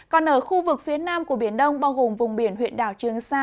còn ở khu vực phía nam của biển đông bao gồm vùng biển huyện đảo trường sa